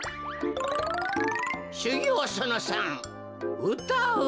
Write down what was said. しゅぎょうその３うたう。